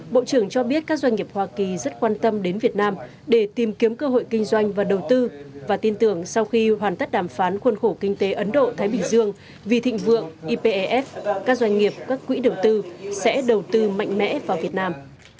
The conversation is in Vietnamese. bộ trưởng cho biết các doanh nghiệp hoa kỳ rất quan tâm đến việt nam để tìm kiếm cơ hội kinh doanh và đầu tư và tin tưởng sau khi hoàn tất đàm phán khuôn khổ kinh tế ấn độ thái bình dương vì thịnh vượng ipef các doanh nghiệp các quỹ đầu tư sẽ đầu tư mạnh mẽ vào việt nam